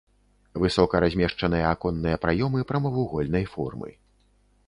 Высока размешчаныя аконныя праёмы прамавугольнай формы.